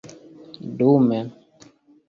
dume